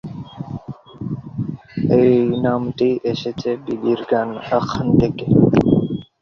এই নামটি এসেছে "বিবির গান" আখ্যান থেকে।